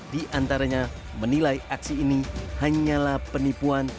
di antaranya menilai aksi ini hanyalah penipuan